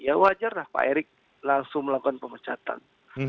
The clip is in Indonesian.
ya wajarlah pak erick langsung melakukan pemecatan